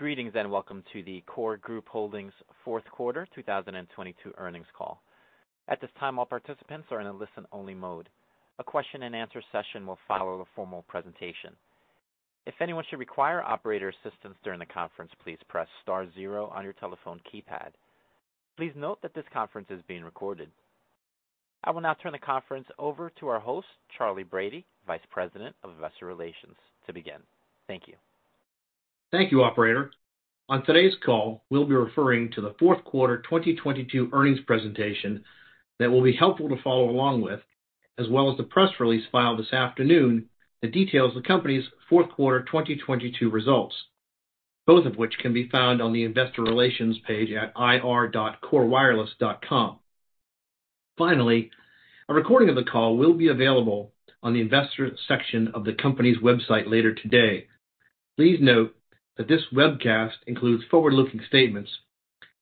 Greetings. Welcome to the KORE Group Holdings fourth quarter 2022 earnings call. At this time, all participants are in a listen-only mode. A question-and-answer session will follow the formal presentation. If anyone should require operator assistance during the conference, please press star zero on your telephone keypad. Please note that this conference is being recorded. I will now turn the conference over to our host, Charley Brady, Vice President of Investor Relations, to begin. Thank you. Thank you, operator. On today's call, we'll be referring to the fourth quarter 2022 earnings presentation that will be helpful to follow along with, as well as the press release filed this afternoon that details the company's fourth quarter 2022 results, both of which can be found on the investor relations page at ir.korewireless.com. A recording of the call will be available on the investor section of the company's website later today. Please note that this webcast includes forward-looking statements.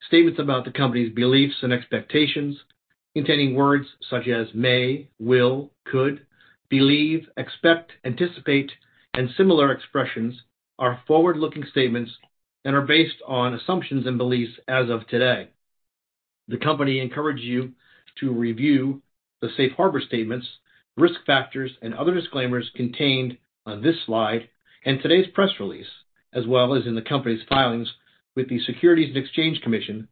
Statements about the company's beliefs and expectations, containing words such as may, will, could, believe, expect, anticipate, and similar expressions are forward-looking statements and are based on assumptions and beliefs as of today. The company encourages you to review the safe harbor statements, risk factors, and other disclaimers contained on this slide and today's press release, as well as in the company's filings with the Securities and Exchange Commission,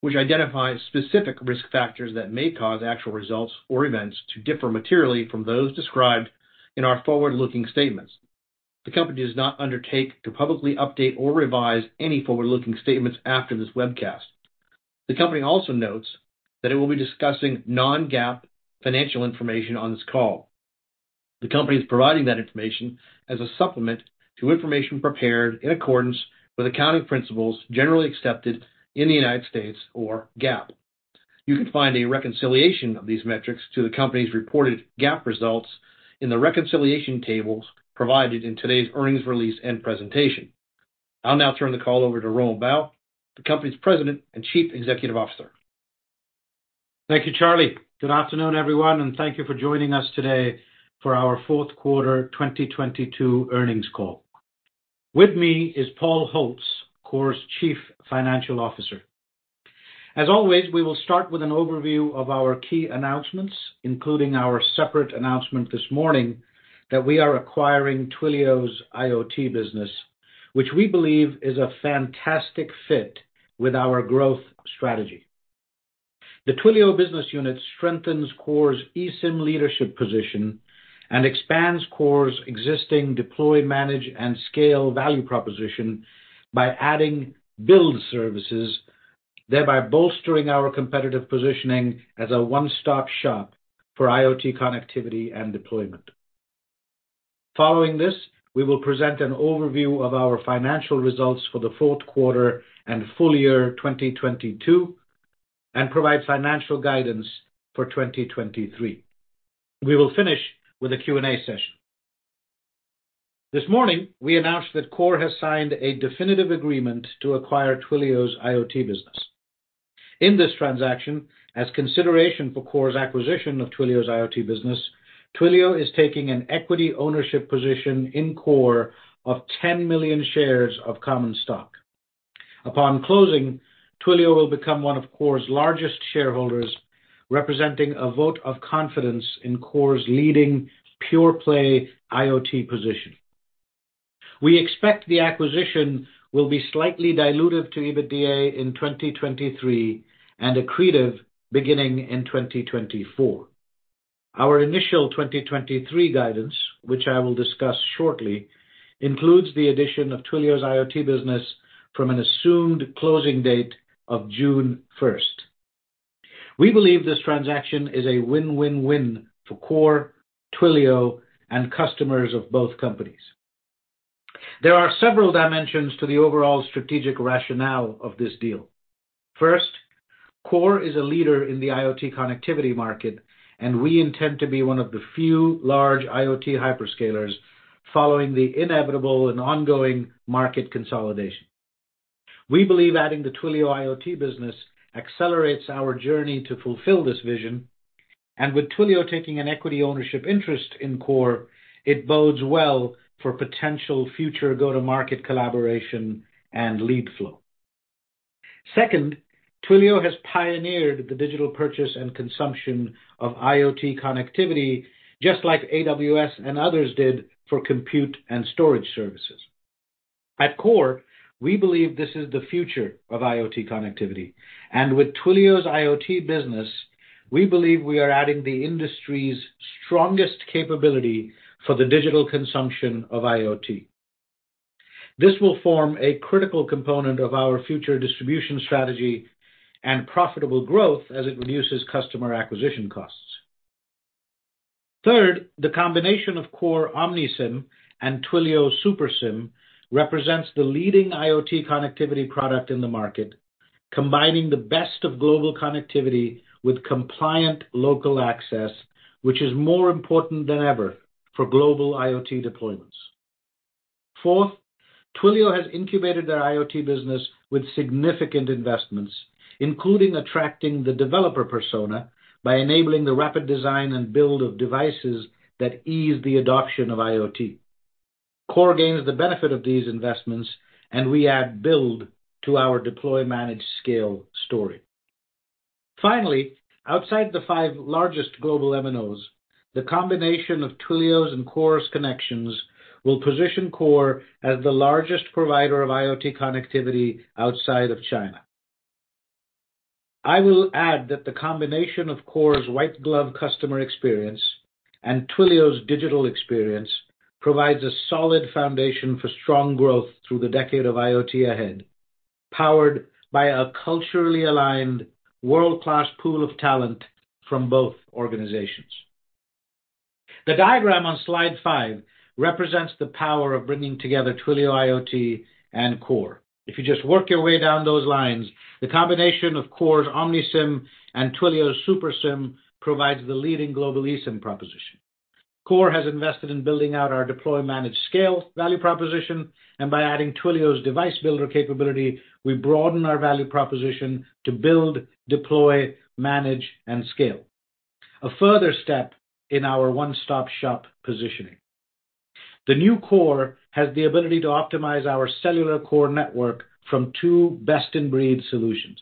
which identifies specific risk factors that may cause actual results or events to differ materially from those described in our forward-looking statements. The company does not undertake to publicly update or revise any forward-looking statements after this webcast. The company also notes that it will be discussing non-GAAP financial information on this call. The company is providing that information as a supplement to information prepared in accordance with accounting principles generally accepted in the United States or GAAP. You can find a reconciliation of these metrics to the company's reported GAAP results in the reconciliation tables provided in today's earnings release and presentation. I'll now turn the call over to Romil Bahl, the company's President and Chief Executive Officer. Thank you, Charley. Good afternoon, everyone, thank you for joining us today for our fourth quarter 2022 earnings call. With me is Paul Holtz, KORE's Chief Financial Officer. As always, we will start with an overview of our key announcements, including our separate announcement this morning that we are acquiring Twilio's IoT business, which we believe is a fantastic fit with our growth strategy. The Twilio business unit strengthens KORE's eSIM leadership position and expands KORE's existing Deploy, Manage, and Scale value proposition by adding build services, thereby bolstering our competitive positioning as a one-stop shop for IoT connectivity and deployment. Following this, we will present an overview of our financial results for the fourth quarter and full year 2022 and provide financial guidance for 2023. We will finish with a Q&A session. This morning, we announced that KORE has signed a definitive agreement to acquire Twilio's IoT business. In this transaction, as consideration for KORE's acquisition of Twilio's IoT business, Twilio is taking an equity ownership position in KORE of 10 million shares of common stock. Upon closing, Twilio will become one of KORE's largest shareholders, representing a vote of confidence in KORE's leading pure-play IoT position. We expect the acquisition will be slightly dilutive to EBITDA in 2023 and accretive beginning in 2024. Our initial 2023 guidance, which I will discuss shortly, includes the addition of Twilio's IoT business from an assumed closing date of June first. We believe this transaction is a win-win-win for KORE, Twilio, and customers of both companies. There are several dimensions to the overall strategic rationale of this deal. First, KORE is a leader in the IoT connectivity market, we intend to be one of the few large IoT hyperscalers following the inevitable and ongoing market consolidation. We believe adding the Twilio IoT business accelerates our journey to fulfill this vision. With Twilio taking an equity ownership interest in KORE, it bodes well for potential future go-to-market collaboration and lead flow. Second, Twilio has pioneered the digital purchase and consumption of IoT connectivity, just like AWS and others did for compute and storage services. At KORE, we believe this is the future of IoT connectivity, and with Twilio's IoT business, we believe we are adding the industry's strongest capability for the digital consumption of IoT. This will form a critical component of our future distribution strategy and profitable growth as it reduces customer acquisition costs. Third, the combination of KORE OmniSIM and Twilio Super SIM represents the leading IoT connectivity product in the market, combining the best of global connectivity with compliant local access, which is more important than ever for global IoT deployments. Fourth, Twilio has incubated their IoT business with significant investments, including attracting the developer persona by enabling the rapid design and build of devices that ease the adoption of IoT. KORE gains the benefit of these investments, and we add build to our Deploy, Manage, Scale story. Finally, outside the five largest global MNOs, the combination of Twilio's and KORE's connections will position KORE as the largest provider of IoT connectivity outside of China. I will add that the combination of KORE's white-glove customer experience and Twilio's digital experience provides a solid foundation for strong growth through the decade of IoT ahead, powered by a culturally aligned world-class pool of talent from both organizations. The diagram on slide five represents the power of bringing together Twilio IoT and KORE. If you just work your way down those lines, the combination of KORE's OmniSIM and Twilio's Super SIM provides the leading global eSIM proposition. KORE has invested in building out our Deploy, Manage, Scale value proposition, and by adding Twilio's device builder capability, we broaden our value proposition to Build, Deploy, Manage, and Scale. A further step in our one-stop shop positioning. The new KORE has the ability to optimize our cellular core network from two best-in-breed solutions.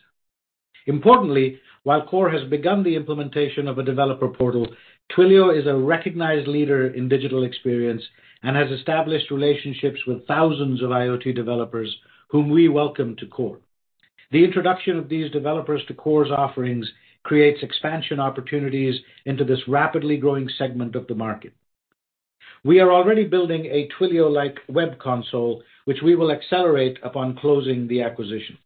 Importantly, while KORE has begun the implementation of a developer portal, Twilio is a recognized leader in digital experience and has established relationships with thousands of IoT developers whom we welcome to KORE. The introduction of these developers to KORE's offerings creates expansion opportunities into this rapidly growing segment of the market. We are already building a Twilio-like web console, which we will accelerate upon closing the acquisition.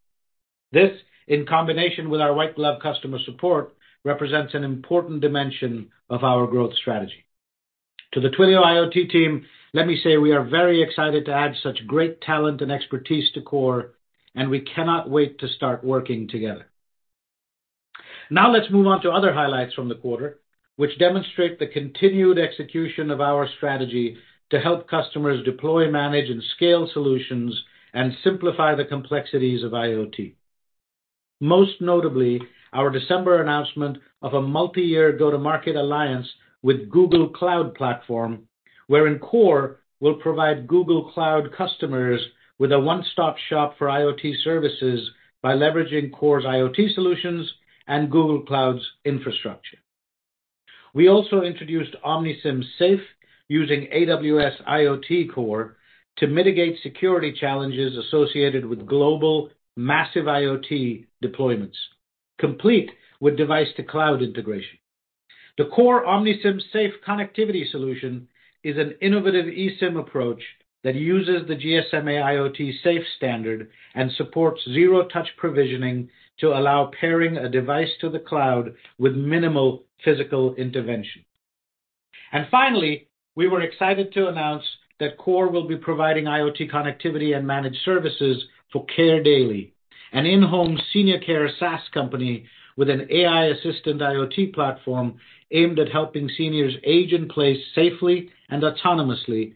This, in combination with our white-glove customer support, represents an important dimension of our growth strategy. To the Twilio IoT team, let me say we are very excited to add such great talent and expertise to KORE, and we cannot wait to start working together. Now let's move on to other highlights from the quarter, which demonstrate the continued execution of our strategy to help customers Deploy, Manage, and Scale solutions and simplify the complexities of IoT. Most notably, our December announcement of a multi-year go-to-market alliance with Google Cloud Platform, wherein KORE will provide Google Cloud customers with a one-stop shop for IoT services by leveraging KORE's IoT solutions and Google Cloud's infrastructure. We also introduced OmniSIM SAFE using AWS IoT Core to mitigate security challenges associated with global massive IoT deployments, complete with device-to-cloud integration. The KORE OmniSIM SAFE connectivity solution is an innovative eSIM approach that uses the GSMA IoT SAFE standard and supports Zero-Touch Provisioning to allow pairing a device to the cloud with minimal physical intervention. Finally, we were excited to announce that KORE will be providing IoT connectivity and managed services for Care Daily, an in-home senior care SaaS company with an AI-assisted IoT platform aimed at helping seniors age in place safely and autonomously,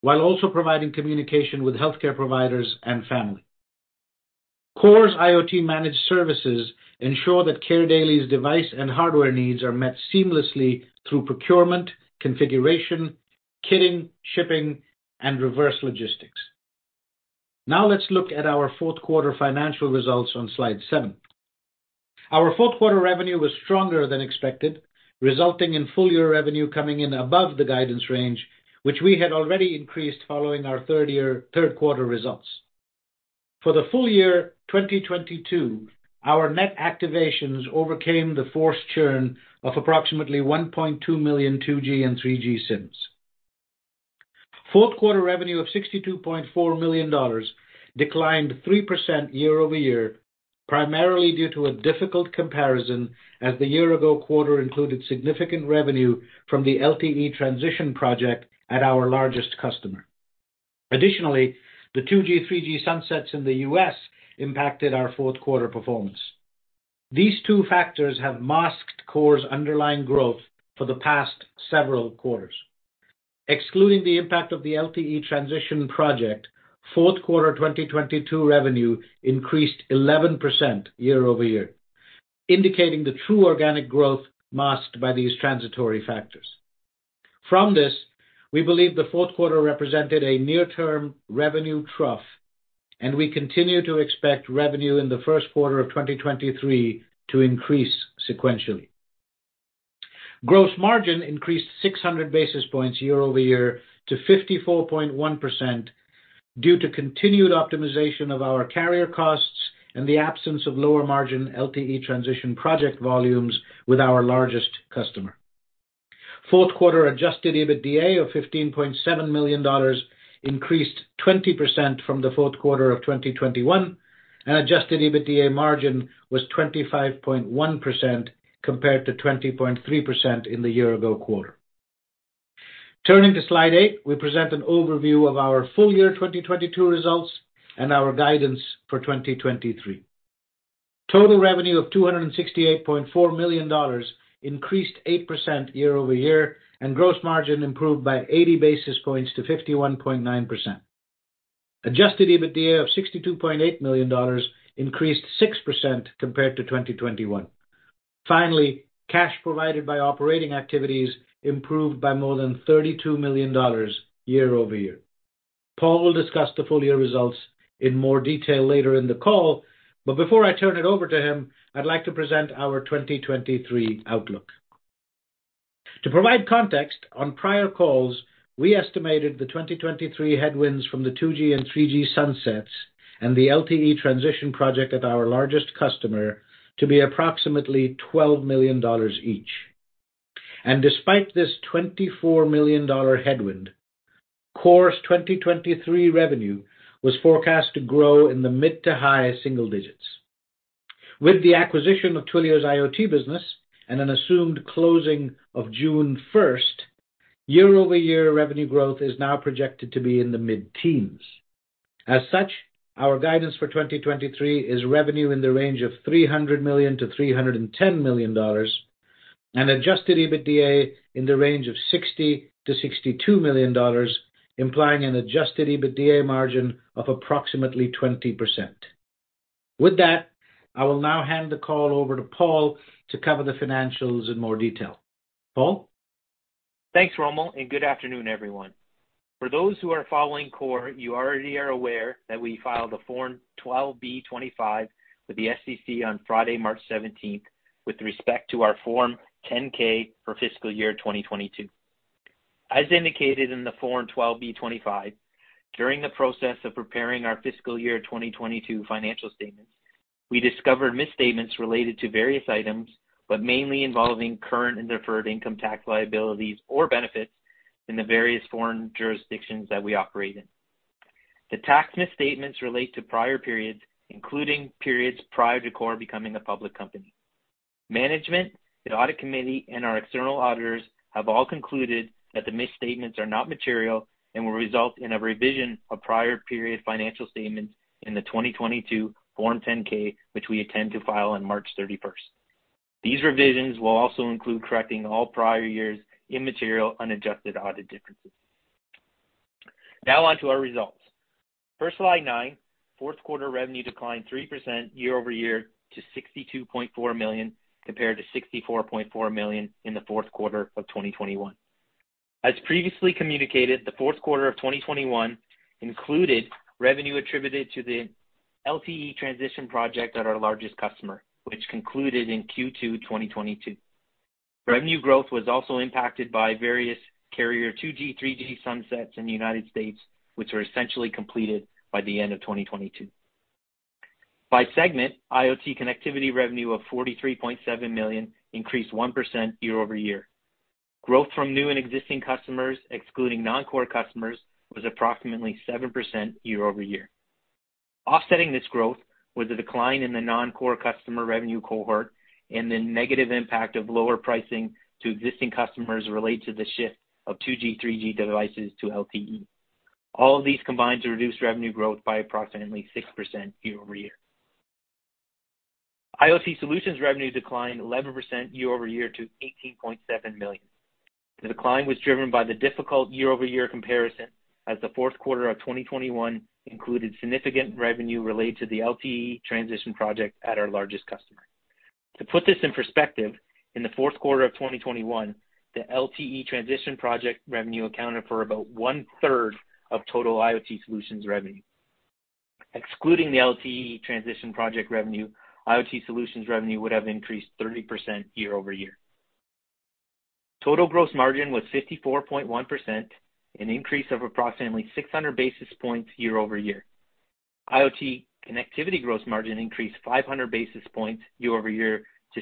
while also providing communication with healthcare providers and family. KORE's IoT managed services ensure that Care Daily's device and hardware needs are met seamlessly through procurement, configuration, kitting, shipping, and reverse logistics. Now let's look at our fourth quarter financial results on slide seven. Our fourth quarter revenue was stronger than expected, resulting in full-year revenue coming in above the guidance range, which we had already increased following our third quarter results. For the full year 2022, our net activations overcame the forced churn of approximately 1.2 million 2G and 3G SIMs. Fourth quarter revenue of $62.4 million declined 3% year-over-year, primarily due to a difficult comparison as the year ago quarter included significant revenue from the LTE transition project at our largest customer. Additionally, the 2G, 3G sunsets in the U.S. impacted our fourth quarter performance. These two factors have masked KORE's underlying growth for the past several quarters. Excluding the impact of the LTE transition project, fourth quarter 2022 revenue increased 11% year-over-year, indicating the true organic growth masked by these transitory factors. We believe the fourth quarter represented a near term revenue trough, and we continue to expect revenue in the first quarter of 2023 to increase sequentially. Gross margin increased 600 basis points year-over-year to 54.1% due to continued optimization of our carrier costs and the absence of lower margin LTE transition project volumes with our largest customer. Fourth quarter Adjusted EBITDA of $15.7 million increased 20% from the fourth quarter of 2021, and Adjusted EBITDA margin was 25.1% compared to 20.3% in the year ago quarter. Turning to slide eight, we present an overview of our full year 2022 results and our guidance for 2023. Total revenue of $268.4 million increased 8% year-over-year, and gross margin improved by 80 basis points to 51.9%. Adjusted EBITDA of $62.8 million increased 6% compared to 2021. Finally, cash provided by operating activities improved by more than $32 million year-over-year. Paul will discuss the full year results in more detail later in the call. Before I turn it over to him, I'd like to present our 2023 outlook. To provide context, on prior calls, we estimated the 2023 headwinds from the 2G and 3G sunsets and the LTE transition project at our largest customer to be approximately $12 million each. Despite this $24 million headwind, KORE's 2023 revenue was forecast to grow in the mid to high-single digits. With the acquisition of Twilio's IoT business and an assumed closing of June 1st, year-over-year revenue growth is now projected to be in the mid-teens. As such, our guidance for 2023 is revenue in the range of $300 million-$310 million, and Adjusted EBITDA in the range of $60 million-$62 million, implying an Adjusted EBITDA margin of approximately 20%. With that, I will now hand the call over to Paul to cover the financials in more detail. Paul. Thanks, Romil. Good afternoon, everyone. For those who are following KORE, you already are aware that we filed a Form 12b-25 with the SEC on Friday, March 17th, with respect to our Form 10-K for fiscal year 2022. As indicated in the Form 12b-25, during the process of preparing our fiscal year 2022 financial statements, we discovered misstatements related to various items, but mainly involving current and deferred income tax liabilities or benefits in the various foreign jurisdictions that we operate in. The tax misstatements relate to prior periods, including periods prior to KORE becoming a public company. Management, the audit committee, and our external auditors have all concluded that the misstatements are not material and will result in a revision of prior period financial statements in the 2022 Form 10-K, which we intend to file on March 31st. These revisions will also include correcting all prior years immaterial, unadjusted audit differences. Now on to our results. First slide nine. Fourth quarter revenue declined 3% year-over-year to $62.4 million, compared to $64.4 million in the fourth quarter of 2021. As previously communicated, the fourth quarter of 2021 included revenue attributed to the LTE transition project at our largest customer, which concluded in Q2, 2022. Revenue growth was also impacted by various carrier 2G, 3G sunsets in the United States, which were essentially completed by the end of 2022. By segment, IoT connectivity revenue of $43.7 million increased 1% year-over-year. Growth from new and existing customers, excluding non-core customers, was approximately 7% year-over-year. Offsetting this growth was a decline in the non-core customer revenue cohort and the negative impact of lower pricing to existing customers related to the shift of 2G, 3G devices to LTE. All of these combined to reduce revenue growth by approximately 6% year-over-year. IoT solutions revenue declined 11% year-over-year to $18.7 million. The decline was driven by the difficult year-over-year comparison as the fourth quarter of 2021 included significant revenue related to the LTE transition project at our largest customer. To put this in perspective, in the fourth quarter of 2021, the LTE transition project revenue accounted for about one-third of total IoT solutions revenue. Excluding the LTE transition project revenue, IoT solutions revenue would have increased 30% year-over-year. Total gross margin was 54.1%, an increase of approximately 600 basis points year-over-year. IoT connectivity gross margin increased 500 basis points year-over-year to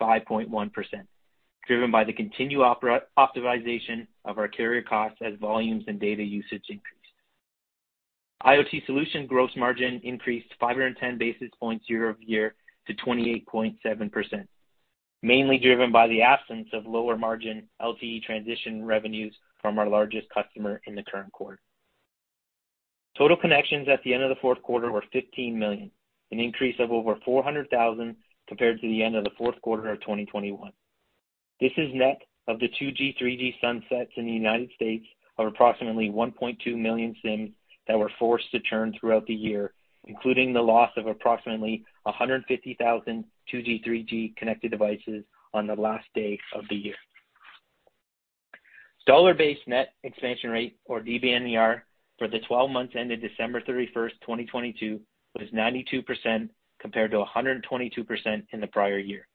65.1%, driven by the continued optimization of our carrier costs as volumes and data usage increased. IoT solution gross margin increased 510 basis points year-over-year to 28.7%, mainly driven by the absence of lower margin LTE transition revenues from our largest customer in the current quarter. Total connections at the end of the fourth quarter were 15 million, an increase of over 400,000 compared to the end of the fourth quarter of 2021. This is net of the 2G, 3G sunsets in the United States of approximately 1.2 million SIMs that were forced to turn throughout the year, including the loss of approximately 150,000 2G, 3G connected devices on the last day of the year. Dollar-based net expansion rate, or DBNER, for the 12 months ended December 31st, 2022 was 92% compared to 122% in the prior year.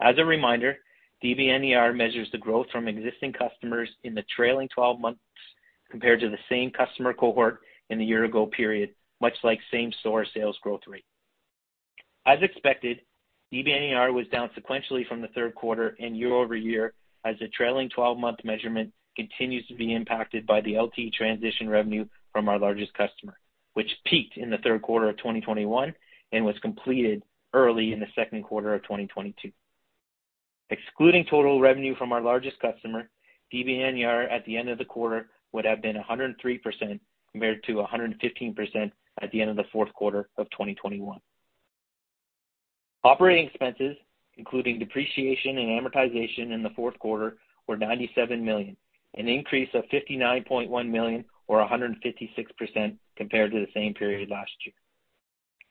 As a reminder, DBNER measures the growth from existing customers in the trailing 12 months compared to the same customer cohort in the year ago period, much like same store sales growth rate. As expected, DBNER was down sequentially from the third quarter and year-over-year as the trailing twelve-month measurement continues to be impacted by the LTE transition revenue from our largest customer, which peaked in the third quarter of 2021 and was completed early in the second quarter of 2022. Excluding total revenue from our largest customer, DBNER at the end of the quarter would have been 103% compared to 115% at the end of the fourth quarter of 2021. Operating expenses, including depreciation and amortization in the fourth quarter, were $97 million, an increase of $59.1 million or 156% compared to the same period last year.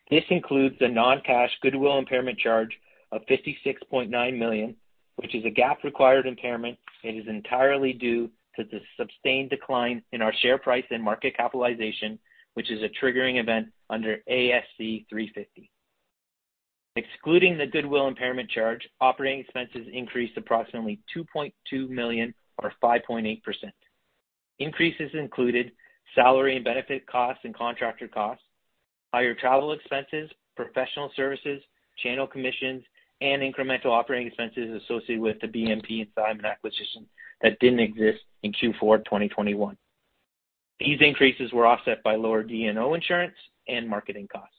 This includes the non-cash goodwill impairment charge of $56.9 million, which is a GAAP required impairment and is entirely due to the sustained decline in our share price and market capitalization, which is a triggering event under ASC 350. Excluding the goodwill impairment charge, operating expenses increased approximately $2.2 million or 5.8%. Increases included salary and benefit costs and contractor costs, higher travel expenses, professional services, channel commissions, and incremental operating expenses associated with the BMP and Simon IoT acquisition that didn't exist in Q4 2021. These increases were offset by lower D&O insurance and marketing costs.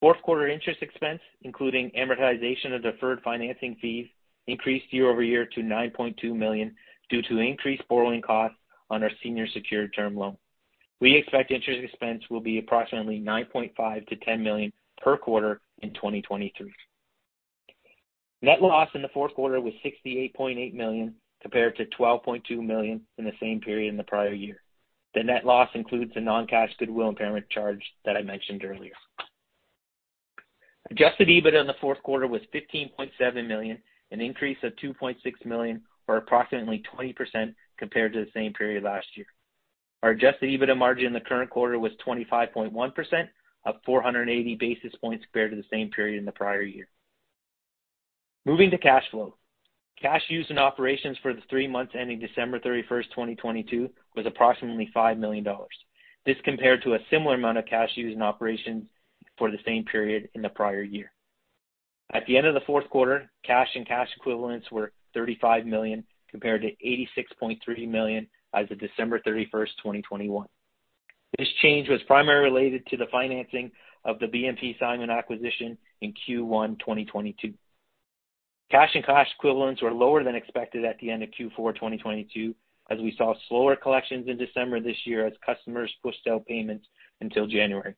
Fourth quarter interest expense, including amortization of deferred financing fees, increased year-over-year to $9.2 million due to increased borrowing costs on our senior secured term loan. We expect interest expense will be approximately $9.5 million-$10 million per quarter in 2023. Net loss in the fourth quarter was $68.8 million compared to $12.2 million in the same period in the prior year. The net loss includes the non-cash goodwill impairment charge that I mentioned earlier. Adjusted EBITDA in the fourth quarter was $15.7 million, an increase of $2.6 million or approximately 20% compared to the same period last year. Our Adjusted EBITDA margin in the current quarter was 25.1%, up 480 basis points compared to the same period in the prior year. Moving to cash flow. Cash used in operations for the three months ending December 31, 2022, was approximately $5 million. This compared to a similar amount of cash used in operations for the same period in the prior year. At the end of the fourth quarter, cash and cash equivalents were $35 million compared to $86.3 million as of December 31st, 2021. This change was primarily related to the financing of the BMP Simon acquisition in Q1, 2022. Cash and cash equivalents were lower than expected at the end of Q4, 2022, as we saw slower collections in December this year as customers pushed out payments until January.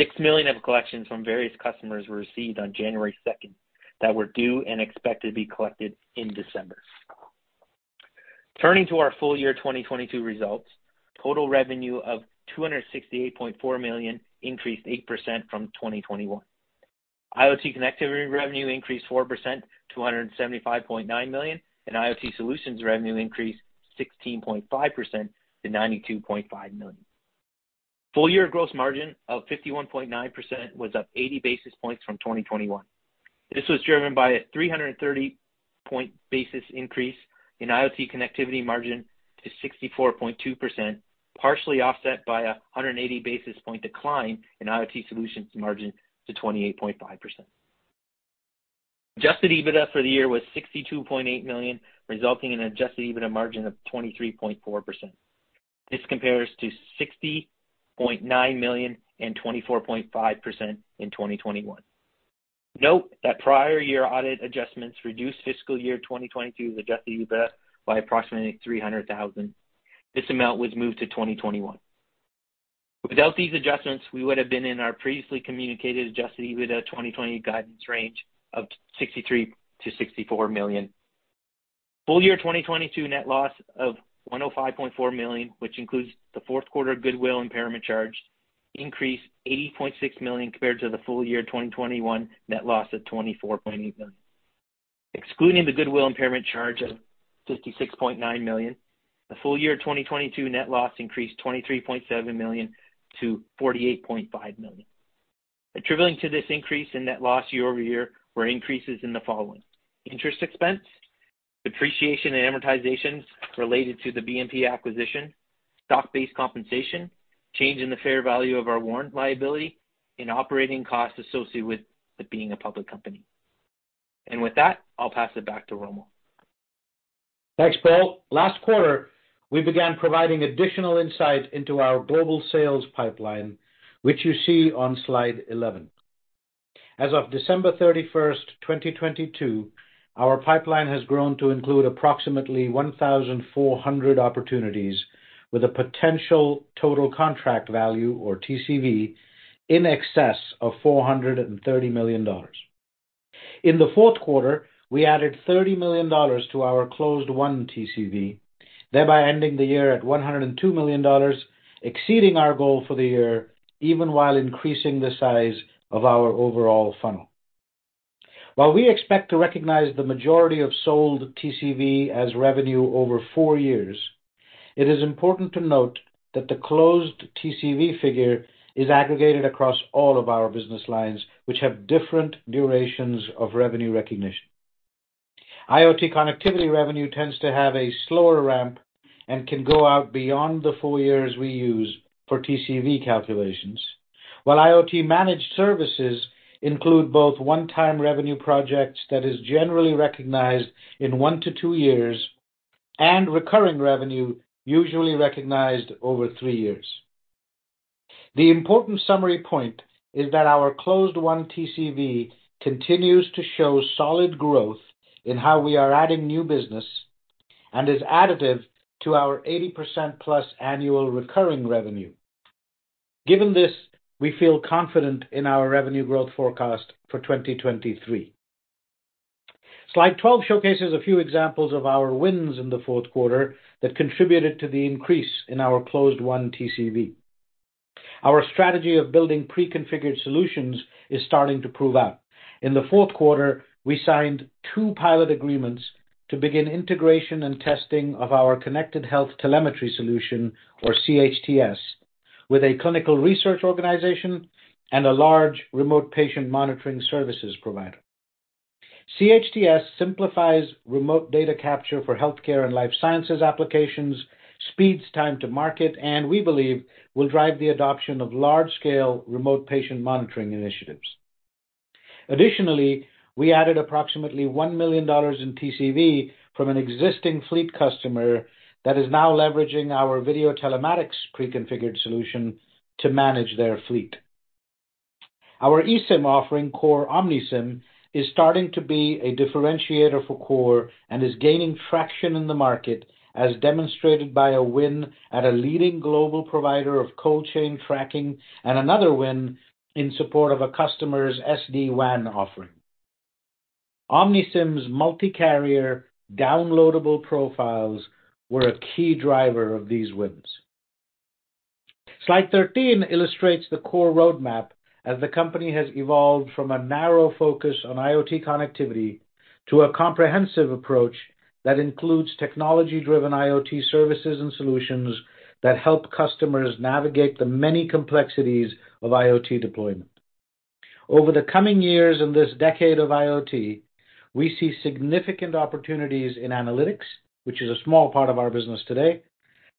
$6 million of collections from various customers were received on January 2nd that were due and expected to be collected in December. Turning to our full year 2022 results, total revenue of $268.4 million increased 8% from 2021. IoT connectivity revenue increased 4% to $175.9 million, and IoT solutions revenue increased 16.5% to $92.5 million. Full year gross margin of 51.9% was up 80 basis points from 2021. This was driven by 330 point basis increase in IoT connectivity margin to 64.2%, partially offset by 180 basis point decline in IoT solutions margin to 28.5%. Adjusted EBITDA for the year was $62.8 million, resulting in adjusted EBITDA margin of 23.4%. This compares to $60.9 million and 24.5% in 2021. Note that prior year audit adjustments reduced fiscal year 2022 Adjusted EBITDA by approximately $300,000. This amount was moved to 2021. Without these adjustments, we would have been in our previously communicated Adjusted EBITDA 2020 guidance range of $63 million-$64 million. Full year 2022 net loss of $105.4 million, which includes the fourth quarter goodwill impairment charge, increased $80.6 million compared to the full year 2021 net loss of $24.8 million. Excluding the goodwill impairment charge of $56.9 million, the full year 2022 net loss increased $23.7 million to $48.5 million. Attributable to this increase in net loss year-over-year were increases in the following: Interest expense, depreciation, and amortizations related to the BMP acquisition, stock-based compensation, change in the fair value of our warrant liability, and operating costs associated with being a public company. With that, I'll pass it back to Romil. Thanks, Paul. Last quarter, we began providing additional insight into our global sales pipeline, which you see on slide 11. As of December 31st, 2022, our pipeline has grown to include approximately 1,400 opportunities with a potential total contract value or TCV in excess of $430 million. In the fourth quarter, we added $30 million to our closed won TCV, thereby ending the year at $102 million, exceeding our goal for the year, even while increasing the size of our overall funnel. While we expect to recognize the majority of sold TCV as revenue over four years, it is important to note that the closed TCV figure is aggregated across all of our business lines, which have different durations of revenue recognition. IoT connectivity revenue tends to have a slower ramp and can go out beyond the four years we use for TCV calculations. While IoT managed services include both one-time revenue projects that is generally recognized in one to two years, and recurring revenue usually recognized over three years. The important summary point is that our closed won TCV continues to show solid growth in how we are adding new business and is additive to our 80%+ annual recurring revenue. Given this, we feel confident in our revenue growth forecast for 2023. Slide 12 showcases a few examples of our wins in the fourth quarter that contributed to the increase in our closed one TCV. Our strategy of building pre-configured solutions is starting to prove out. In the fourth quarter, we signed two pilot agreements to begin integration and testing of our Connected Health Telemetry Solution, or CHTS, with a clinical research organization and a large remote patient monitoring services provider. CHTS simplifies remote data capture for healthcare and life sciences applications, speeds time to market, and we believe will drive the adoption of large-scale remote patient monitoring initiatives. Additionally, we added approximately $1 million in TCV from an existing fleet customer that is now leveraging our video telematics pre-configured solution to manage their fleet. Our eSIM offering, KORE OmniSIM, is starting to be a differentiator for KORE and is gaining traction in the market, as demonstrated by a win at a leading global provider of cold chain tracking and another win in support of a customer's SD-WAN offering. OmniSIM's multi-carrier downloadable profiles were a key driver of these wins. Slide 13 illustrates the KORE roadmap as the company has evolved from a narrow focus on IoT connectivity to a comprehensive approach that includes technology-driven IoT services and solutions that help customers navigate the many complexities of IoT deployment. Over the coming years in this decade of IoT, we see significant opportunities in analytics, which is a small part of our business today,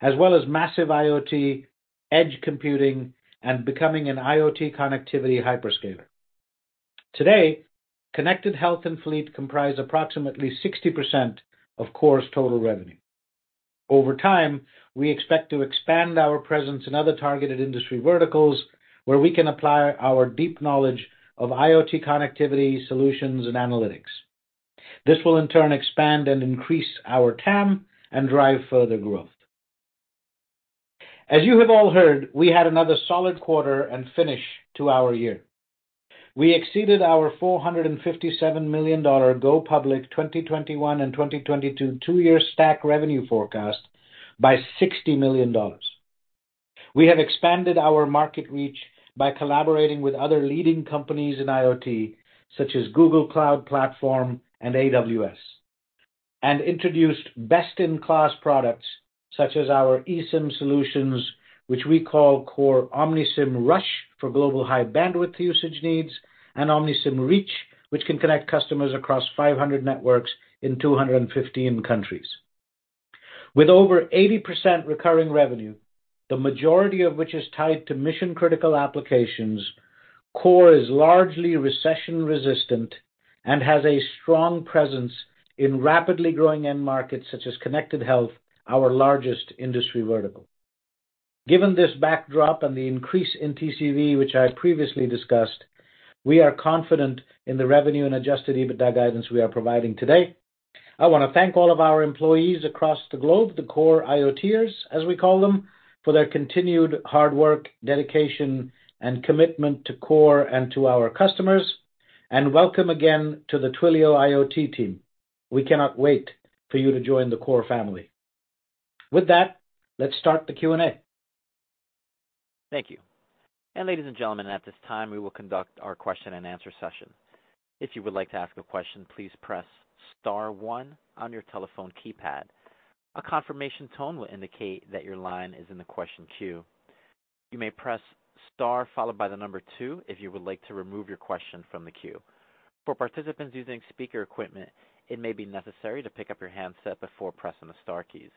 as well as massive IoT, edge computing, and becoming an IoT connectivity hyperscaler. Today, connected health and fleet comprise approximately 60% of KORE's total revenue. Over time, we expect to expand our presence in other targeted industry verticals where we can apply our deep knowledge of IoT connectivity solutions and analytics. This will in turn expand and increase our TAM and drive further growth. As you have all heard, we had another solid quarter and finish to our year. We exceeded our $457 million go public 2021 and 2022 two-year stack revenue forecast by $60 million. We have expanded our market reach by collaborating with other leading companies in IoT, such as Google Cloud Platform and AWS, and introduced best-in-class products such as our eSIM solutions, which we call KORE OmniSIM Rush for global high bandwidth usage needs, and OmniSIM Reach, which can connect customers across 500 networks in 215 countries. With over 80% recurring revenue, the majority of which is tied to mission-critical applications, KORE is largely recession-resistant and has a strong presence in rapidly growing end markets such as connected health, our largest industry vertical. Given this backdrop and the increase in TCV, which I previously discussed, we are confident in the revenue and Adjusted EBITDA guidance we are providing today. I want to thank all of our employees across the globe, the KORE IoTers as we call them, for their continued hard work, dedication, and commitment to KORE and to our customers. Welcome again to the Twilio IoT team. We cannot wait for you to join the KORE family. With that, let's start the Q&A. Thank you. Ladies and gentlemen, at this time we will conduct our question-and-answer session. If you would like to ask a question, please press star one on your telephone keypad. A confirmation tone will indicate that your line is in the question queue. You may press star followed by the number two if you would like to remove your question from the queue. For participants using speaker equipment, it may be necessary to pick up your handset before pressing the star keys.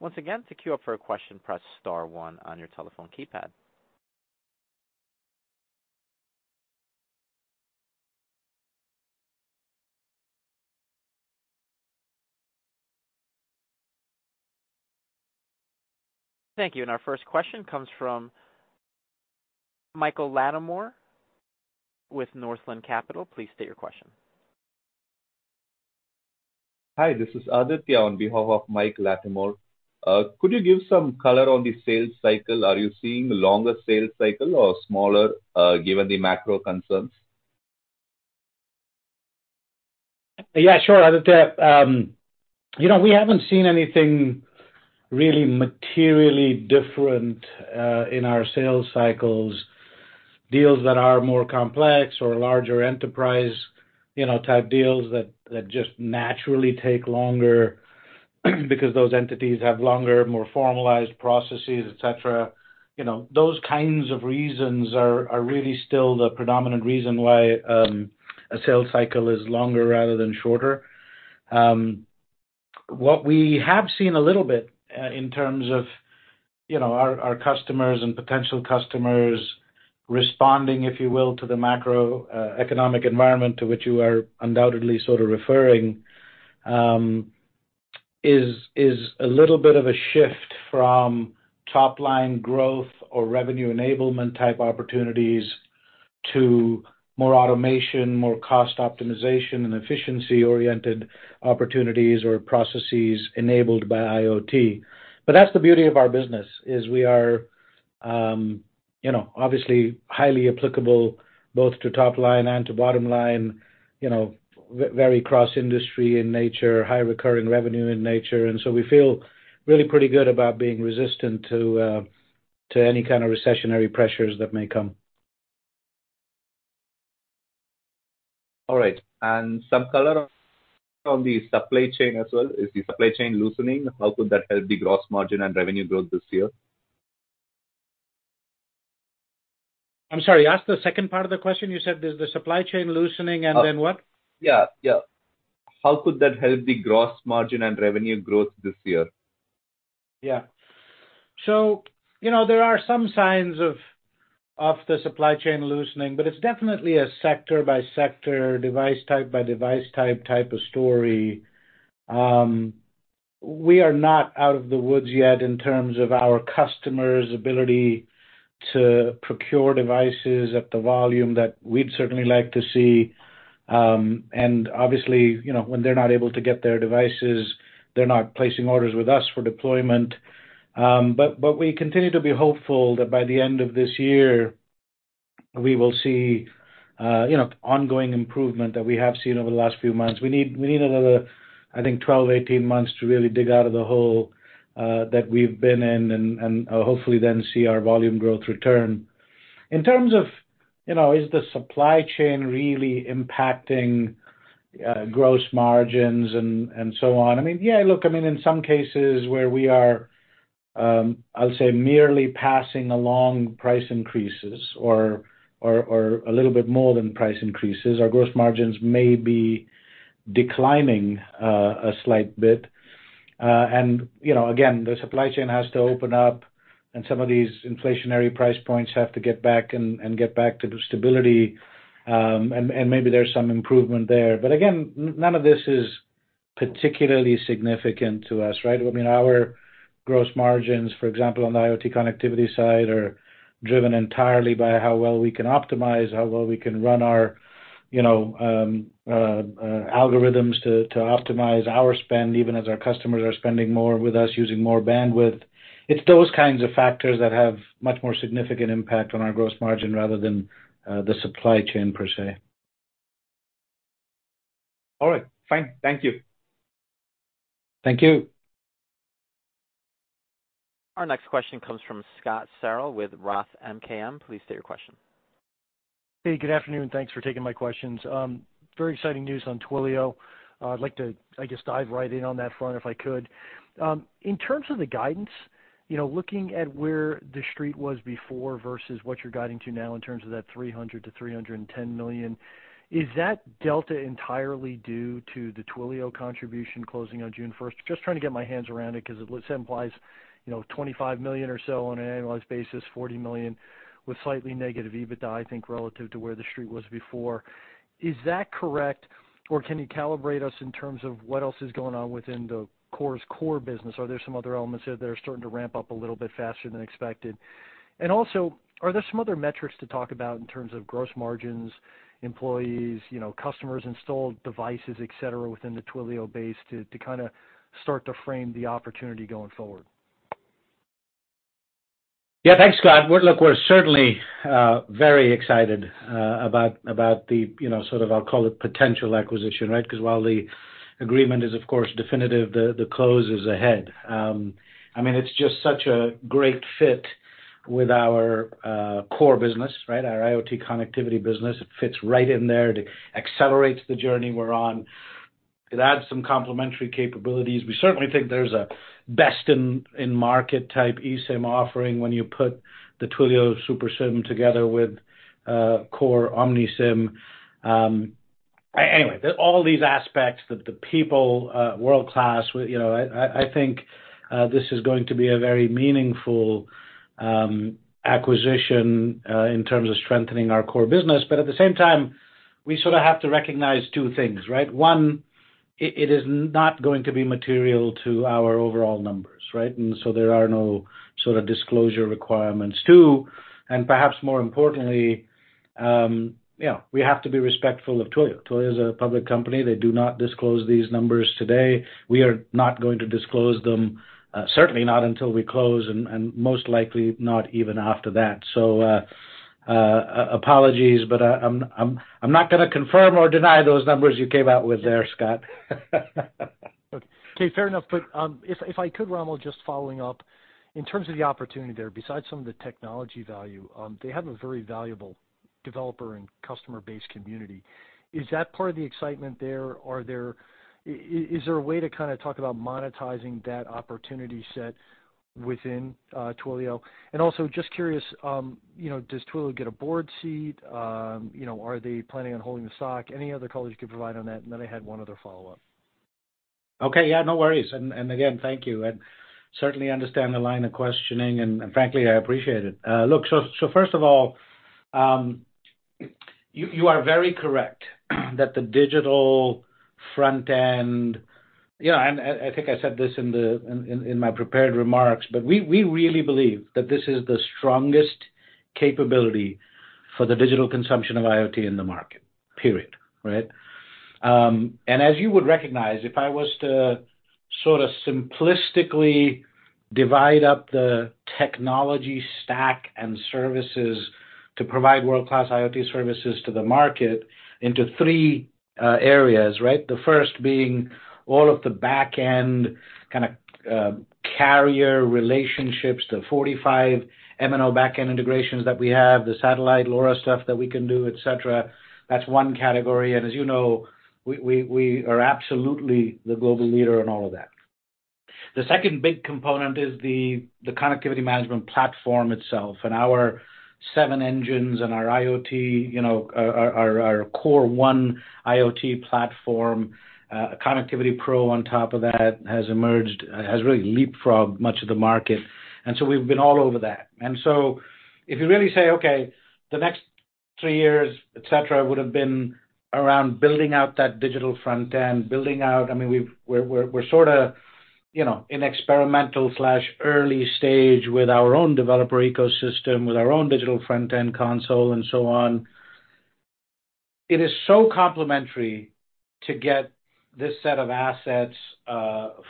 Once again, to queue up for a question, press star one on your telephone keypad. Thank you. Our first question comes from Michael Latimore with Northland Capital. Please state your question. Hi, this is Aditya on behalf of Michael Latimore. Could you give some color on the sales cycle? Are you seeing longer sales cycle or smaller, given the macro concerns? Yeah, sure, Aditya. You know, we haven't seen anything really materially different in our sales cycles. Deals that are more complex or larger enterprise type deals that just naturally take longer because those entities have longer, more formalized processes, et cetera. Those kinds of reasons are really still the predominant reason why a sales cycle is longer rather than shorter. What we have seen a little bit in terms of our customers and potential customers responding, if you will, to the macroeconomic environment to which you are undoubtedly sort of referring, is a little bit of a shift from top-line growth or revenue enablement type opportunities to more automation, more cost optimization and efficiency-oriented opportunities or processes enabled by IoT. That's the beauty of our business, is we are, you know, obviously highly applicable both to top line and to bottom line, you know, very cross-industry in nature, high recurring revenue in nature. We feel really pretty good about being resistant to any kind of recessionary pressures that may come. All right. Some color on the supply chain as well. Is the supply chain loosening? How could that help the gross margin and revenue growth this year? I'm sorry, ask the second part of the question. You said is the supply chain loosening and then what? Yeah, yeah. How could that help the gross margin and revenue growth this year? Yeah. You know, there are some signs of the supply chain loosening, but it's definitely a sector-by-sector, device type by device type story. We are not out of the woods yet in terms of our customers' ability to procure devices at the volume that we'd certainly like to see. Obviously, you know, when they're not able to get their devices, they're not placing orders with us for deployment. We continue to be hopeful that by the end of this year we will see, you know, ongoing improvement that we have seen over the last few months. We need another, I think, 12 to 18 months to really dig out of the hole that we've been in and hopefully then see our volume growth return. In terms of, you know, is the supply chain really impacting, gross margins and so on? I mean, yeah, look, I mean, in some cases where we are, I'll say merely passing along price increases or a little bit more than price increases, our gross margins may be declining a slight bit. You know, again, the supply chain has to open up and some of these inflationary price points have to get back and get back to stability, and maybe there's some improvement there. Again, none of this is particularly significant to us, right? I mean, our gross margins, for example, on the IoT connectivity side, are driven entirely by how well we can optimize, how well we can run our, you know, algorithms to optimize our spend, even as our customers are spending more with us using more bandwidth. It's those kinds of factors that have much more significant impact on our gross margin rather than the supply chain per se. All right. Fine. Thank you. Thank you. Our next question comes from Scott Searle with Roth MKM. Please state your question. Hey, good afternoon. Thanks for taking my questions. Very exciting news on Twilio. I'd like to, I guess, dive right in on that front if I could. In terms of the guidance, you know, looking at where the street was before versus what you're guiding to now in terms of that $300 million-$310 million, is that delta entirely due to the Twilio contribution closing on June 1st? Just trying to get my hands around it 'cause it implies, you know, $25 million or so on an annualized basis, $40 million with slightly negative EBITDA, I think, relative to where the street was before. Is that correct? Or can you calibrate us in terms of what else is going on within the KORE's core business? Are there some other elements that are starting to ramp up a little bit faster than expected? Also, are there some other metrics to talk about in terms of gross margins, employees, you know, customers installed, devices, et cetera, within the Twilio base to kind of start to frame the opportunity going forward? Yeah. Thanks, Scott. Well, look, we're certainly very excited about the, you know, sort of I'll call it potential acquisition, right? 'Cause while the agreement is of course definitive, the close is ahead. I mean, it's just such a great fit with our KORE business, right? Our IoT connectivity business. It fits right in there. It accelerates the journey we're on. It adds some complementary capabilities. We certainly think there's a best in market type eSIM offering when you put the Twilio Super SIM together with KORE OmniSIM. anyway, all these aspects that the people world-class, you know, I think this is going to be a very meaningful acquisition in terms of strengthening our KORE business. At the same time, we sorta have to recognize two things, right? One, it is not going to be material to our overall numbers, right? There are no sorta disclosure requirements. Two, perhaps more importantly, yeah, we have to be respectful of Twilio. Twilio is a public company. They do not disclose these numbers today. We are not going to disclose them, certainly not until we close and most likely not even after that. Apologies, I'm not gonna confirm or deny those numbers you came out with there, Scott. Okay. Fair enough. If, if I could, Romil, just following up. In terms of the opportunity there, besides some of the technology value, they have a very valuable developer and customer base community. Is that part of the excitement there? Is there a way to kinda talk about monetizing that opportunity set within Twilio? Also just curious, you know, does Twilio get a board seat? You know, are they planning on holding the stock? Any other color you could provide on that? Then I had one other follow-up. Okay. Yeah, no worries. Again, thank you. Certainly understand the line of questioning, and frankly, I appreciate it. Look, first of all, you are very correct that the digital front end. Yeah, I think I said this in my prepared remarks, but we really believe that this is the strongest capability for the digital consumption of IoT in the market, period, right? As you would recognize, if I was to sorta simplistically divide up the technology stack and services to provide world-class IoT services to the market into three areas, right? The first being all of the back-end kinda carrier relationships, the 45 MNO back-end integrations that we have, the satellite LoRa stuff that we can do, et cetera. That's one category. As you know, we are absolutely the global leader in all of that. The second big component is the connectivity management platform itself and our seven engines and our IoT, you know, our KORE One IoT platform, Connectivity Pro on top of that has emerged, has really leapfrogged much of the market. We've been all over that. If you really say, okay, the next three years, et cetera, would've been around building out that digital front end, building out... I mean, we're sorta, you know, in experimental/early stage with our own developer ecosystem, with our own digital front-end console and so on. It is so complimentary to get this set of assets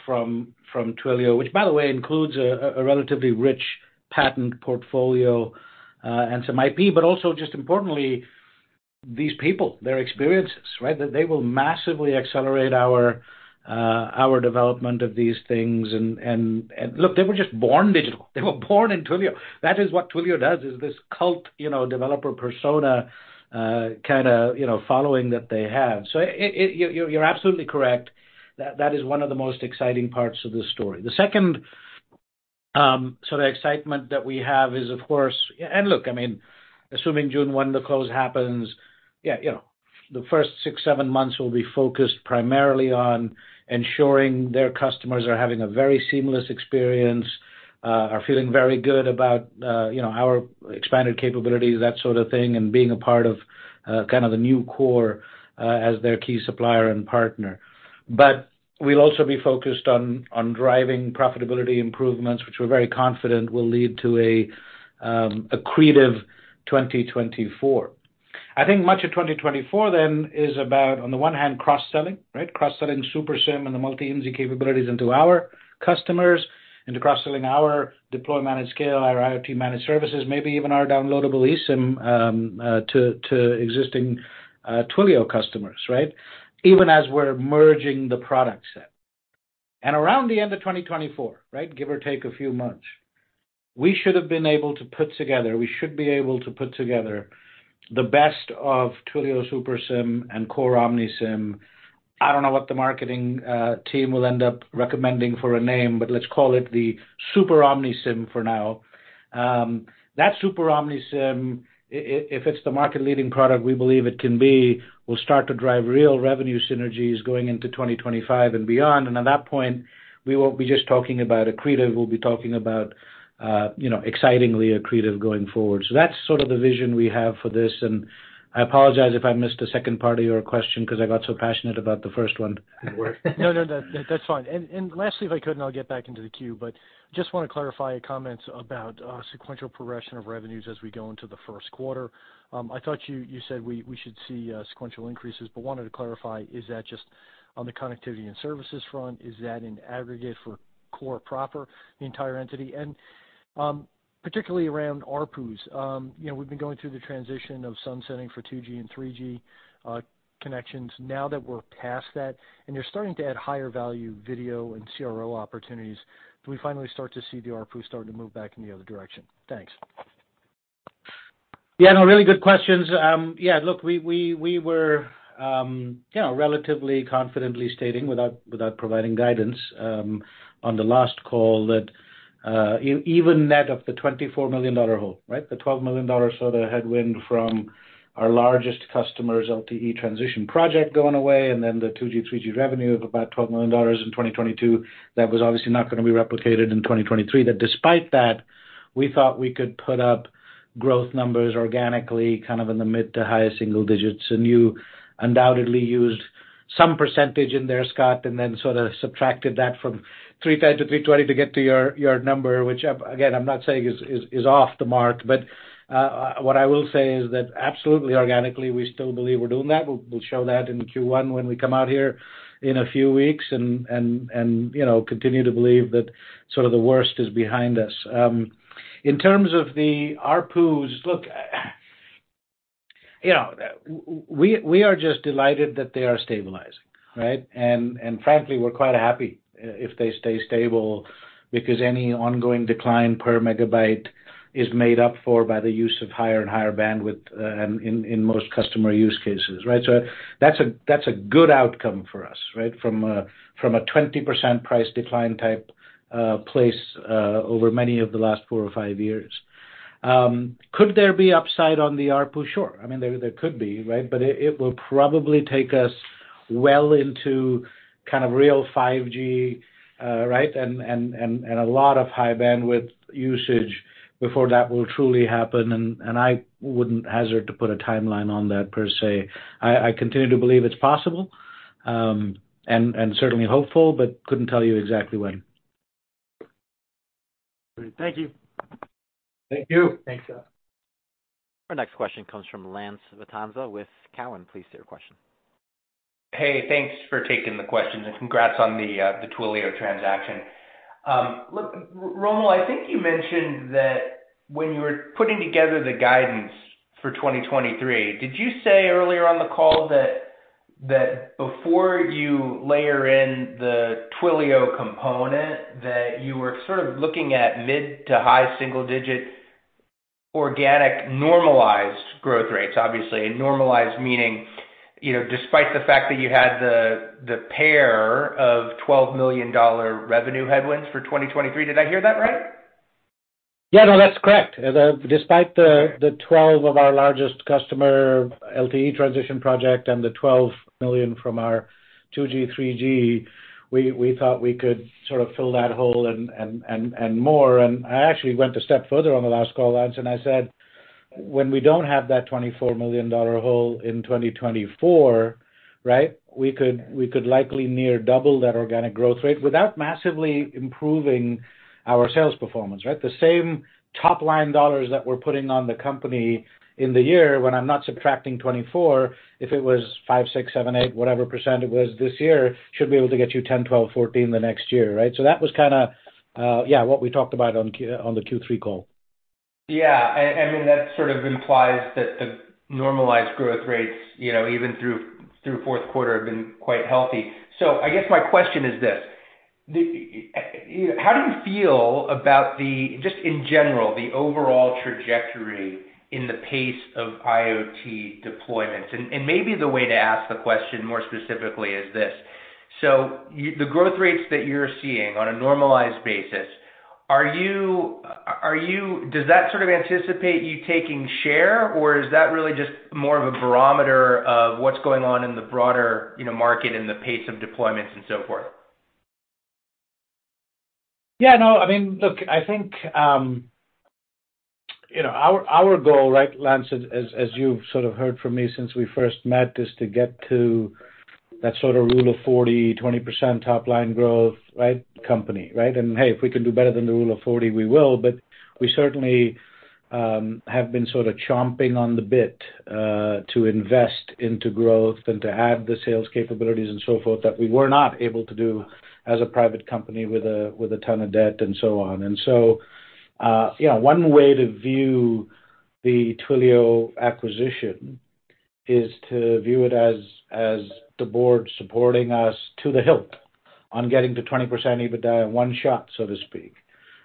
from Twilio, which by the way, includes a relatively rich patent portfolio and some IP, but also just importantly, these people, their experiences, right? That they will massively accelerate our development of these things. Look, they were just born digital. They were born in Twilio. That is what Twilio does, is this cult, you know, developer persona, kinda, you know, following that they have. You're absolutely correct. That is one of the most exciting parts of this story. The second sort of excitement that we have is, of course... Look, I mean, assuming June 1 the close happens, yeah, you know, the first six, seven months will be focused primarily on ensuring their customers are having a very seamless experience, are feeling very good about, you know, our expanded capabilities, that sort of thing, and being a part of, kind of the new KORE, as their key supplier and partner. We'll also be focused on driving profitability improvements, which we're very confident will lead to an accretive 2024. I think much of 2024 then is about, on the one hand, cross-selling, right? Cross-selling Super SIM and the Multi-IMSI capabilities into our customers, into cross-selling our Deploy, Manage, Scale, our IoT managed services, maybe even our downloadable eSIM, to existing Twilio customers, right? Even as we're merging the product set. Around the end of 2024, right, give or take a few months, we should be able to put together the best of Twilio Super SIM and KORE OmniSIM. I don't know what the marketing team will end up recommending for a name, but let's call it the Super OmniSIM for now. That Super OmniSIM, if it's the market-leading product we believe it can be, will start to drive real revenue synergies going into 2025 and beyond. At that point, we won't be just talking about accretive, we'll be talking about, you know, excitingly accretive going forward. That's sort of the vision we have for this, and I apologize if I missed the second part of your question 'cause I got so passionate about the first one. No, no, that's fine. Lastly, if I could, and I'll get back into the queue, but just wanna clarify your comments about sequential progression of revenues as we go into the first quarter. I thought you said we should see sequential increases, but wanted to clarify, is that just on the connectivity and services front? Is that an aggregate for KORE, the entire entity? Particularly around ARPUs, you know, we've been going through the transition of sunsetting for 2G and 3G connections. Now that we're past that and you're starting to add higher value video and CRO opportunities, do we finally start to see the ARPUs starting to move back in the other direction? Thanks. No, really good questions. look, we, we were, you know, relatively confidently stating without providing guidance, on the last call that, even net of the $24 million hole, right, the $12 million sort of headwind from our largest customers' LTE transition project going away, and then the 2G, 3G revenue of about $12 million in 2022, that was obviously not gonna be replicated in 2023. Despite that, we thought we could put up growth numbers organically, kind of in the mid to highest single digits, and you undoubtedly used some percentage in there, Scott, and then sort of subtracted that from $310 million-$320 million to get to your number, which again, I'm not saying is off the mark, but what I will say is that absolutely organically, we still believe we're doing that. We'll show that in Q1 when we come out here in a few weeks and, you know, continue to believe that sort of the worst is behind us. In terms of the ARPUs, look, you know, we are just delighted that they are stabilizing, right? Frankly, we're quite happy if they stay stable because any ongoing decline per megabyte is made up for by the use of higher and higher bandwidth in most customer use cases, right? That's a good outcome for us, right? From a 20% price decline type place over many of the last four or five years. Could there be upside on the ARPU? Sure. I mean, there could be, right? It will probably take us well into kind of real 5G, right? And a lot of high bandwidth usage before that will truly happen, and I wouldn't hazard to put a timeline on that per se. I continue to believe it's possible, and certainly hopeful, couldn't tell you exactly when. Great. Thank you. Thank you. Thanks, Scott. Our next question comes from Lance Vitanza with Cowen. Please state your question. Hey, thanks for taking the questions. Congrats on the Twilio transaction. Look, Romil, I think you mentioned that when you were putting together the guidance for 2023, did you say earlier on the call that before you layer in the Twilio component, that you were sort of looking at mid to high single digit organic normalized growth rates, obviously. Normalized meaning, you know, despite the fact that you had the pair of $12 million revenue headwinds for 2023. Did I hear that right? Yeah, no, that's correct. Despite the 12 of our largest customer LTE transition project and the $12 million from our 2G, 3G, we thought we could sort of fill that hole and more. I actually went a step further on the last call, Lance, and I said, when we don't have that $24 million hole in 2024, right, we could likely near double that organic growth rate without massively improving our sales performance, right? The same top line dollars that we're putting on the company in the year when I'm not subtracting $24 million, if it was 5%, 6%, 7%, 8%, whatever percent it was this year, should be able to get you 10%, 12%, 14% the next year, right? That was kinda, yeah, what we talked about on the Q3 call. Yeah. I mean, that sort of implies that the normalized growth rates, you know, even through fourth quarter have been quite healthy. I guess my question is this, you know, how do you feel about the just in general, the overall trajectory in the pace of IoT deployments? Maybe the way to ask the question more specifically is this: The growth rates that you're seeing on a normalized basis, does that sort of anticipate you taking share, or is that really just more of a barometer of what's going on in the broader, you know, market and the pace of deployments and so forth? Yeah, no. I mean, look, I think, you know, our goal, right, Lance, as you've sort of heard from me since we first met, is to get to that sort of Rule of 40, 20% top line growth, right, company, right? Hey, if we can do better than the Rule of 40, we will. We certainly have been sort of chomping on the bit to invest into growth and to add the sales capabilities and so forth that we were not able to do as a private company with a, with a ton of debt and so on. So, yeah, one way to view the Twilio acquisition is to view it as the board supporting us to the hilt on getting to 20% EBITDA in one shot, so to speak.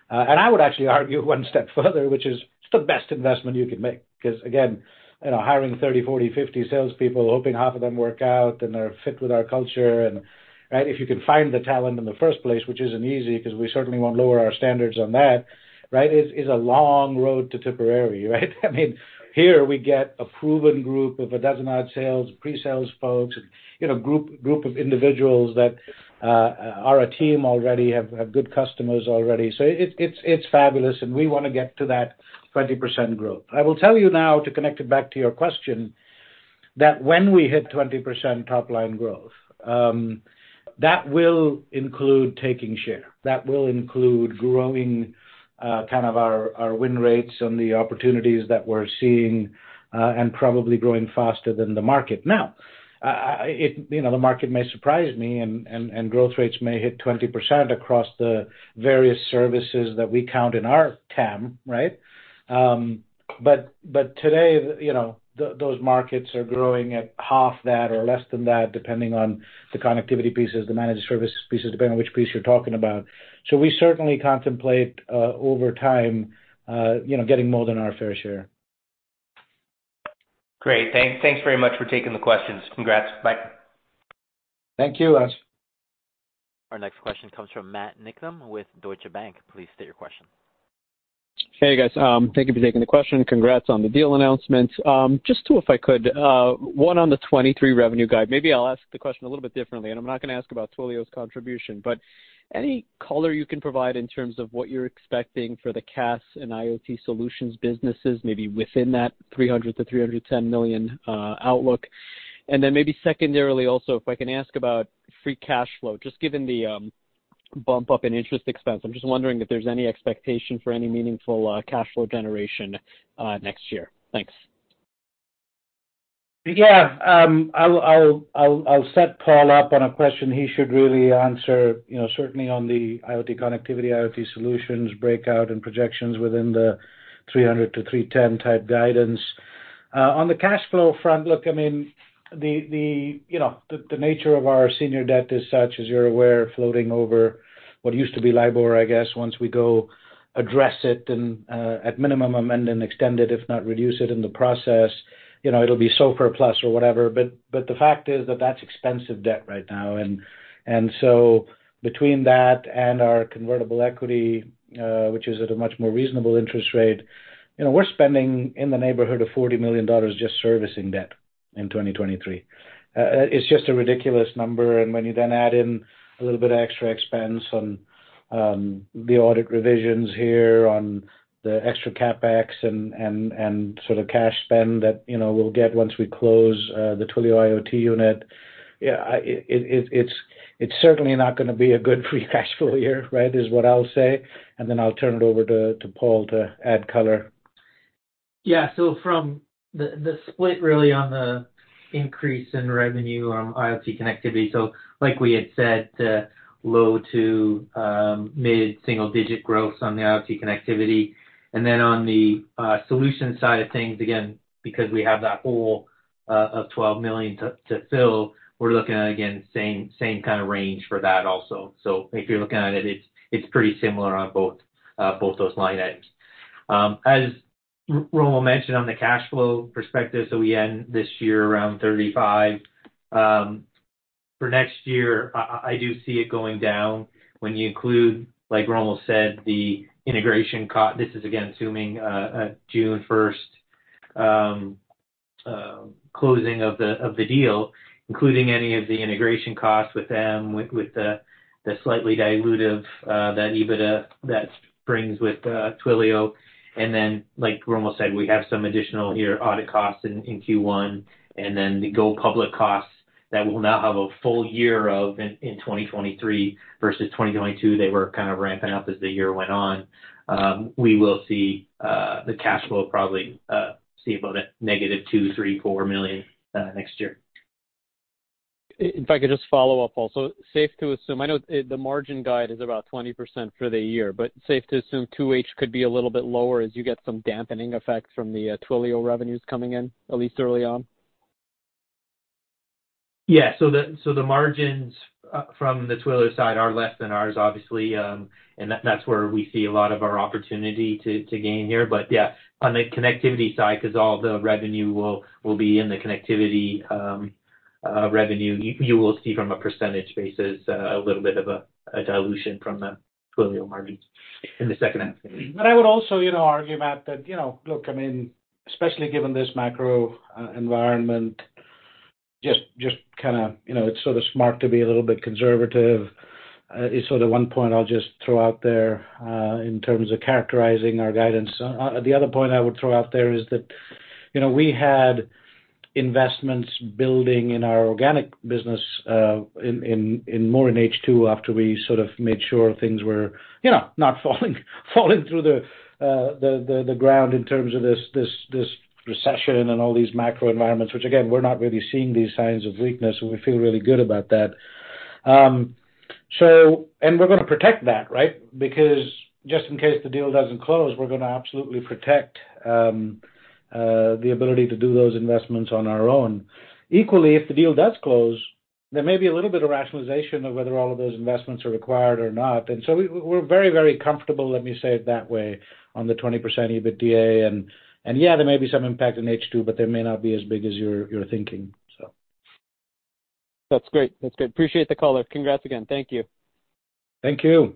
I would actually argue one step further, which is, it's the best investment you can make, 'cause again, you know, hiring 30, 40, 50 salespeople, hoping half of them work out and are fit with our culture and, right? If you can find the talent in the first place, which isn't easy, 'cause we certainly won't lower our standards on that, right, is a long road to temporary, right? I mean, here we get a proven group of a dozen odd sales, pre-sales folks, and, you know, group of individuals that are a team already, have good customers already. It's fabulous, and we wanna get to that 20% growth. I will tell you now, to connect it back to your question, that when we hit 20% top line growth, that will include taking share. That will include growing, kind of our win rates on the opportunities that we're seeing, and probably growing faster than the market. You know, the market may surprise me and growth rates may hit 20% across the various services that we count in our TAM, right? But today, you know, those markets are growing at half that or less than that, depending on the connectivity pieces, the managed service pieces, depending on which piece you're talking about. We certainly contemplate, over time, you know, getting more than our fair share. Great. Thanks very much for taking the questions. Congrats. Bye. Thank you, Lance. Our next question comes from Matt Niknam with Deutsche Bank. Please state your question. Hey, guys. Thank you for taking the question. Congrats on the deal announcement. Just two, if I could. One on the 2023 revenue guide. Maybe I'll ask the question a little bit differently, I'm not gonna ask about Twilio's contribution. Any color you can provide in terms of what you're expecting for the CaaS and IoT solutions businesses, maybe within that $300 million-$310 million outlook. Maybe secondarily also, if I can ask about free cash flow, just given the bump up in interest expense. I'm just wondering if there's any expectation for any meaningful cash flow generation next year. Thanks. Yeah. I'll set Paul up on a question he should really answer, you know, certainly on the IoT connectivity, IoT solutions breakout and projections within the $300 million-$310 million type guidance. On the cash flow front, look, I mean, the nature of our senior debt is such, as you're aware, floating over what used to be LIBOR, I guess. Once we go address it and at minimum amend and extend it, if not reduce it in the process, you know, it'll be SOFR+ or whatever. The fact is that that's expensive debt right now. So between that and our convertible equity, which is at a much more reasonable interest rate, you know, we're spending in the neighborhood of $40 million just servicing debt in 2023. It's just a ridiculous number. When you then add in a little bit of extra expense on the audit revisions here, on the extra CapEx and sort of cash spend that, you know, we'll get once we close the Twilio IoT unit. Yeah, it's certainly not gonna be a good free cash flow year, right, is what I'll say. Then I'll turn it over to Paul to add color. Yeah. From the split really on the increase in revenue on IoT connectivity. Like we had said, low to mid-single digit growth on the IoT connectivity. On the solution side of things, again, because we have that hole of $12 million to fill, we're looking at, again, same kind of range for that also. If you're looking at it's pretty similar on both both those line items. As Romil mentioned on the cash flow perspective, we end this year around $35 million. For next year, I do see it going down when you include, like Romil said, the integration this is again assuming a June first closing of the deal, including any of the integration costs with them, with the slightly dilutive EBITDA that brings with Twilio. Like Romil said, we have some additional here audit costs in Q1, and then the go public costs that we'll now have a full year of in 2023 versus 2022, they were kind of ramping up as the year went on. We will see the cash flow probably see about a negative $2 million-$4 million next year. If I could just follow up, Paul. Safe to assume I know the margin guide is about 20% for the year, but safe to assume 2H could be a little bit lower as you get some dampening effects from the Twilio revenues coming in, at least early on? The margins from the Twilio side are less than ours, obviously, and that's where we see a lot of our opportunity to gain here. On the connectivity side, 'cause all the revenue will be in the connectivity revenue, you will see from a percentage basis a little bit of a dilution from the Twilio margins in the second half. I would also, you know, argue, Matt, that, you know, look, I mean, especially given this macro environment, just kinda, you know, it's sort of smart to be a little bit conservative, is sort of one point I'll just throw out there, in terms of characterizing our guidance. The other point I would throw out there is that, you know, we had investments building in our organic business, in more in H2 after we sort of made sure things were, you know, not falling through the ground in terms of this recession and all these macro environments, which again, we're not really seeing these signs of weakness, and we feel really good about that. We're gonna protect that, right? Just in case the deal doesn't close, we're gonna absolutely protect the ability to do those investments on our own. Equally, if the deal does close, there may be a little bit of rationalization of whether all of those investments are required or not. We're very, very comfortable, let me say it that way, on the 20% EBITDA. Yeah, there may be some impact in H2, but there may not be as big as you're thinking, so. That's great. That's good. Appreciate the color. Congrats again. Thank you. Thank you.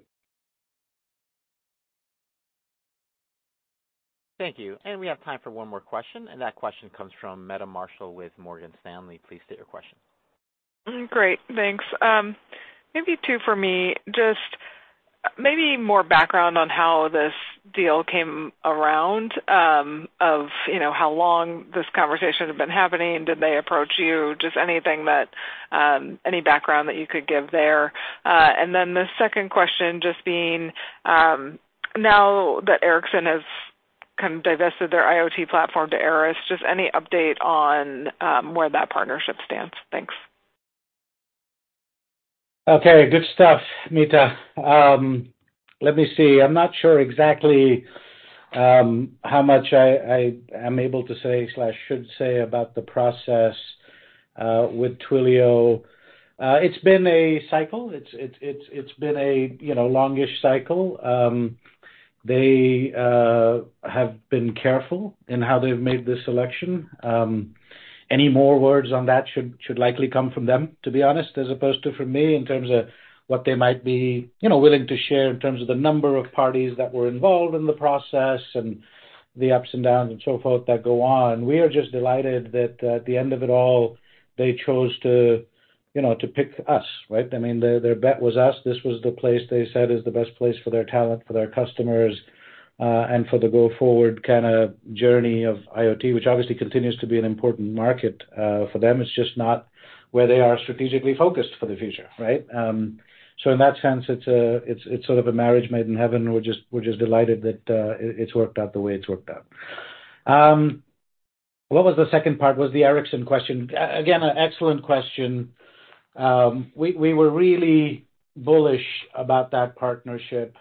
Thank you. We have time for one more question, and that question comes from Meta Marshall with Morgan Stanley. Please state your question. Great, thanks. Maybe two for me. Just maybe more background on how this deal came around, of, you know, how long this conversation had been happening. Did they approach you? Just anything that, any background that you could give there. The second question just being, now that Ericsson has kind of divested their IoT platform to Aeris, just any update on, where that partnership stands? Thanks. Okay, good stuff, Meta. Let me see. I'm not sure exactly how much I am able to say/should say about the process with Twilio. It's been a cycle. It's been a, you know, longish cycle. They have been careful in how they've made this selection. Any more words on that should likely come from them, to be honest, as opposed to from me, in terms of what they might be, you know, willing to share in terms of the number of parties that were involved in the process and the ups and downs and so forth that go on. We are just delighted that at the end of it all, they chose to, you know, to pick us, right? I mean, their bet was us. This was the place they said is the best place for their talent, for their customers, and for the go-forward kinda journey of IoT, which obviously continues to be an important market, for them. It's just not where they are strategically focused for the future, right? In that sense, it's sort of a marriage made in heaven. We're just delighted that it's worked out the way it's worked out. What was the second part? Was the Ericsson question? Again, an excellent question. We were really bullish about that partnership.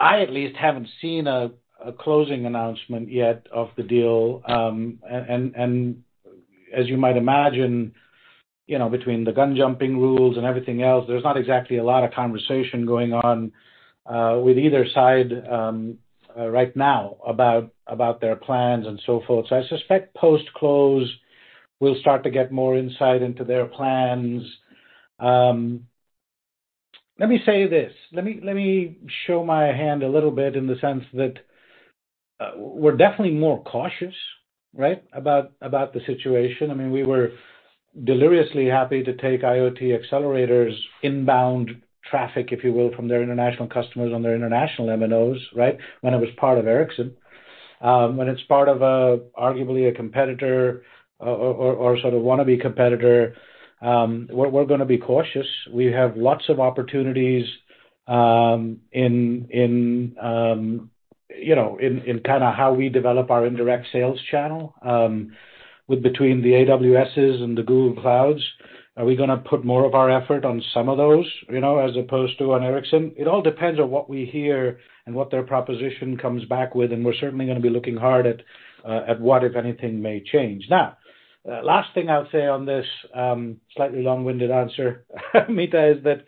I at least haven't seen a closing announcement yet of the deal. As you might imagine, you know, between the gun jumping rules and everything else, there's not exactly a lot of conversation going on with either side right now about their plans and so forth. I suspect post-close we'll start to get more insight into their plans. Let me say this, let me show my hand a little bit in the sense that we're definitely more cautious, right, about the situation. I mean, we were deliriously happy to take IoT Accelerator's inbound traffic, if you will, from their international customers on their international MNOs, right? When it was part of Ericsson. When it's part of a, arguably a competitor or sort of wanna-be competitor, we're gonna be cautious. We have lots of opportunities, you know, in kind of how we develop our indirect sales channel, with between the AWS's and the Google Clouds. Are we going to put more of our effort on some of those, you know, as opposed to on Ericsson? It all depends on what we hear and what their proposition comes back with, we're certainly going to be looking hard at what, if anything, may change. Last thing I'll say on this, slightly long-winded answer, Meta, is that,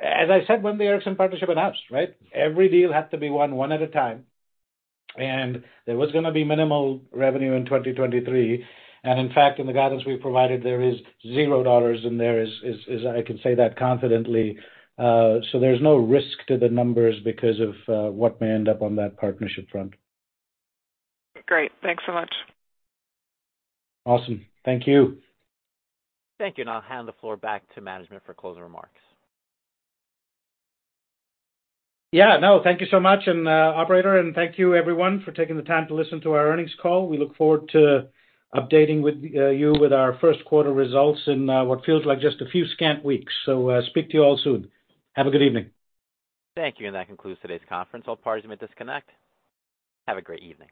as I said, when the Ericsson partnership announced, right, every deal had to be won one at a time, there was going to be minimal revenue in 2023. In fact, in the guidance we've provided, there is $0 in there, I can say that confidently. There's no risk to the numbers because of what may end up on that partnership front. Great. Thanks so much. Awesome. Thank you. Thank you. I'll hand the floor back to management for closing remarks. Yeah, no, thank you so much. Operator, thank you everyone for taking the time to listen to our earnings call. We look forward to updating with you with our first quarter results in what feels like just a few scant weeks. Speak to you all soon. Have a good evening. Thank you. That concludes today's conference. All parties may disconnect. Have a great evening.